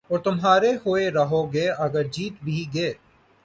اور تُمہارے ہوئے رہو گے اگر جیت بھی گئے